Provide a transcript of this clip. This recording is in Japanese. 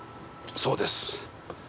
そうです。